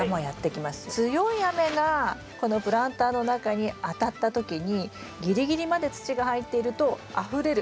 強い雨がこのプランターの中に当たった時にギリギリまで土が入っているとあふれる。